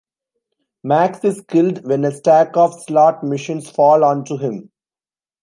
Max is killed when a stack of slot machines falls onto him.